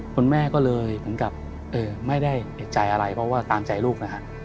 คุณแม่ก็เลยเหมือนกับไม่ได้เอกใจอะไรเพราะว่าตามใจลูกนะฮะ